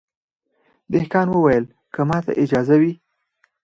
دهقان وویل که ماته اجازه وي